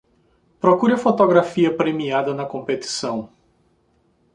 Procure a fotografia premiada na competição